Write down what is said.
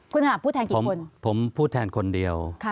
คุณอาบพูดแทนกี่คนผมพูดแทนคนเดียว